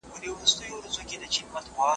هغه د روغې جوړې وړاندیزونه منل.